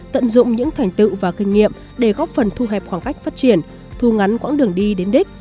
tận dụng những thành tựu và kinh nghiệm để góp phần thu hẹp khoảng cách phát triển thu ngắn quãng đường đi đến đích